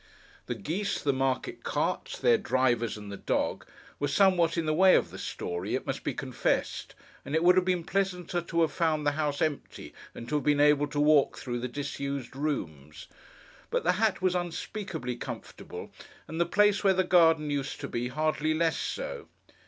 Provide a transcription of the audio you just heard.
The geese, the market carts, their drivers, and the dog, were somewhat in the way of the story, it must be confessed; and it would have been pleasanter to have found the house empty, and to have been able to walk through the disused rooms. But the hat was unspeakably comfortable; and the place where the garden used to be, hardly less so.